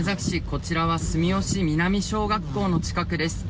こちらは住吉南小学校の近くです。